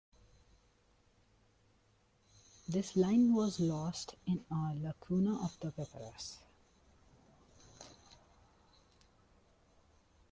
This line was lost in a lacuna of the papyrus.